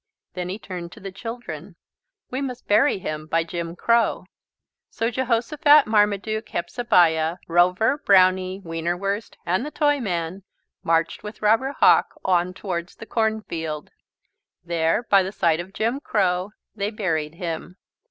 Then he turned to the children. "We must bury him by Jim Crow." So Jehosophat, Marmaduke, Hepzebiah, Rover, Brownie, Wienerwurst and the Toyman marched with Robber Hawk on towards the cornfield. There by the side of Jim Crow they buried him.